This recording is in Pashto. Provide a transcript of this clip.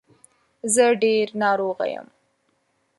زه ډېر ناروغ یم.